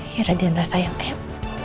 ya radian rasa yang em